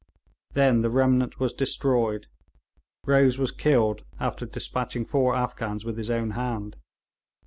Then the remnant was destroyed. Rose was killed, after despatching four Afghans with his own hand.